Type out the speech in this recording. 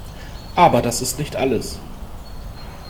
Aber das ist nicht alles.